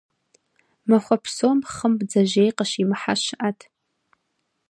Махуэ псом хъым бдзэжьей къыщимыхьэ щыӏэт.